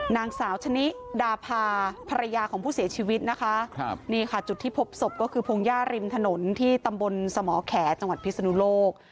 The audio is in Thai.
นางสาวชะนิดาพาภรรยาของผู้เสียชีวิตนะคะครับนี่ค่ะจุดที่พบศพก็คือพงหญ้าริมถนนที่ตำบลสมแขจังหวัดพิศนุโลก